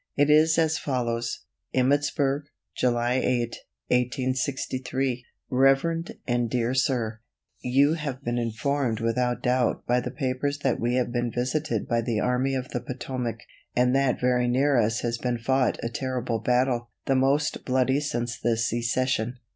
It is as follows: Emmitsburg, July 8, 1863. Rev. and Dear Sir: You have been informed without doubt by the papers that we have been visited by the Army of the Potomac, and that very near us has been fought a terrible battle, the most bloody since the secession.